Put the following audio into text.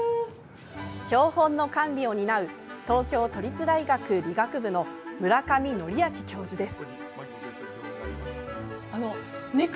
標本の管理を担う東京都立大学理学部の村上哲明教授です。